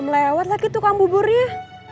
belum lewat lagi tukang buburnya